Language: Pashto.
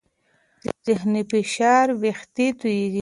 ذهني فشار وېښتې تویېږي.